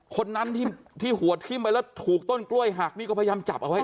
คนนั้นที่หัวทิ้มไปแล้วถูกต้นกล้วยหักนี่ก็พยายามจับเอาไว้